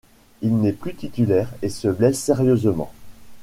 Il n'est plus titulaire et se blesse sérieusement.